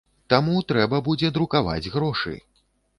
Таму трэба будзе друкаваць грошы.